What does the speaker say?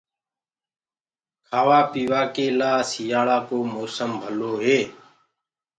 کآوآ پيوآ ڪي لآ سيٚآݪڪو موسم ڀلو هي۔